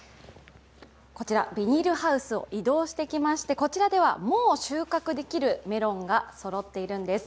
こちら、ビニールハウスを移動してきまして、こちらではもう収穫できるメロンがそろっているんです。